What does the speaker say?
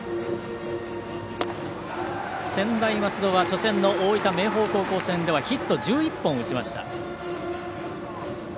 専大松戸は初戦の大分・明豊高校戦ではヒット１１本、打ちました。